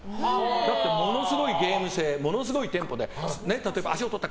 だってものすごいゲーム性ものすごいテンポで例えば足を取った！